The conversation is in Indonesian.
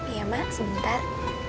iya mak sebentar